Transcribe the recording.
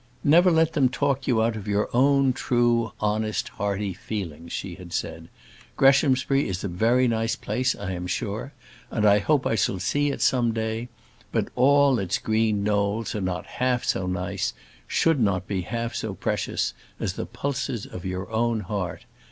"Never let them talk you out of your own true, honest, hearty feelings," she had said. "Greshamsbury is a very nice place, I am sure; and I hope I shall see it some day; but all its green knolls are not half so nice, should not be half so precious, as the pulses of your own heart.